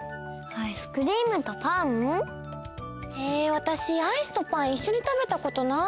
アイスとパンいっしょにたべたことない。